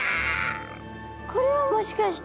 これはもしかして。